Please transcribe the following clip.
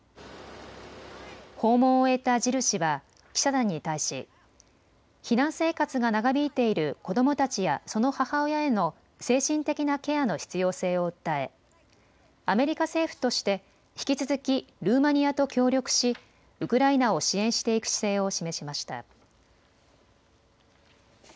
訪問を終えたジル氏は記者団に対し避難生活が長引いている子どもたちやその母親への精神的なケアの必要性を訴えアメリカ政府として引き続きルーマニアと協力しウクライナを支援していく姿勢を示しました。